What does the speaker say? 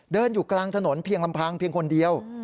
เดินอยู่กลางถนนเพียงลำพังเพียงคนเดียว